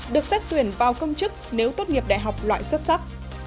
được xét tuyển vào công chức nếu tốt nghiệp đại học loại xuất sắc